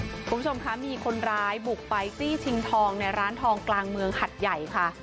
คุณผู้ชมคะมีคนร้ายบุกไปจี้ชิงทองในร้านทองกลางเมืองหัดใหญ่ค่ะ